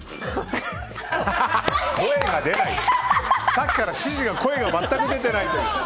さっきから指示の声が全く出ていない。